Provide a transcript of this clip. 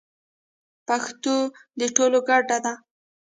پښتو د ټولو ګډه ده.